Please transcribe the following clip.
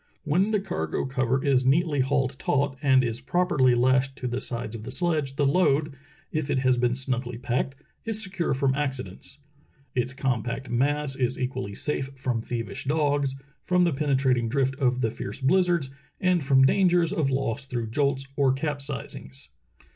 When the cargo cover is neatly hauled taut and is prop erly lashed to the sides of the sledge the load, if it has 276 True Tales of Arctic Heroism been snugly packed, is secure from accidents. Its com pact mass is equally safe from thievish dogs, from the penetrating drift of the fierce blizzards, and from dan gers of loss through jolts or capsizings.